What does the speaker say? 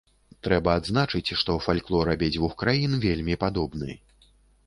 Трэба адзначыць, што фальклор абедзвюх краін вельмі падобны.